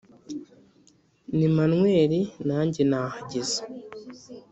ni manweri nange nahageze